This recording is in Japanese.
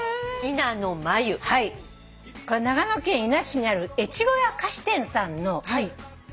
これ長野県伊那市にある越後屋菓子店さんの伊那のまゆ。